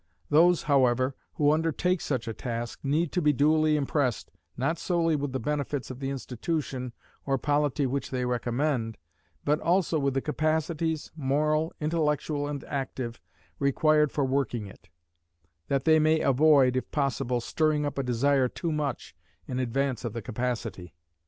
Those, however, who undertake such a task, need to be duly impressed, not solely with the benefits of the institution or polity which they recommend, but also with the capacities, moral, intellectual, and active, required for working it; that they may avoid, if possible, stirring up a desire too much in advance of the capacity.